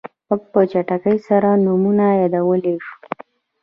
موږ په چټکۍ سره نومونه یادولی شو.